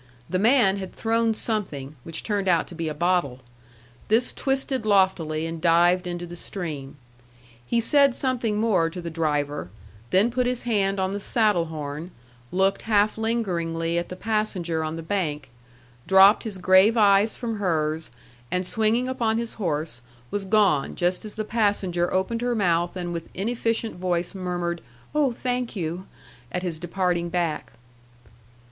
The man had thrown something, which turned out to be a bottle. This twisted loftily and dived into the stream. He said something more to the driver, then put his hand on the saddle horn, looked half lingeringly at the passenger on the bank, dropped his grave eyes from hers, and swinging upon his horse, was gone just as the passenger opened her mouth and with inefficient voice murmured, "Oh, thank you!" at his departing back.